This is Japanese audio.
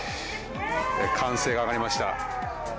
歓声が上がりました。